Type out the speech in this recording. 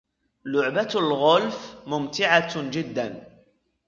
لعبة الغولف ممتعة جدا.